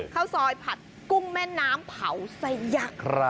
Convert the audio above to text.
ข้าวซอยผัดกุ้งแม่น้ำเผาสยัก